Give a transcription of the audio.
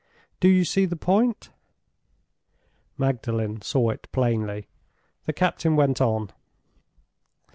Do you see the point?" Magdalen saw it plainly. The captain went on.